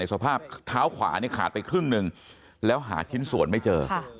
สภาพเท้าขวาเนี่ยขาดไปครึ่งหนึ่งแล้วหาชิ้นส่วนไม่เจอ